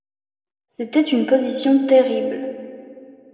C’était une position terrible.